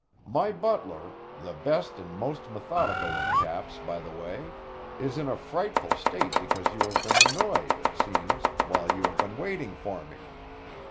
My butler the best and most methodical of chaps, by the way is in a frightful state because you have been annoyed, it seems, while you have been waiting for me.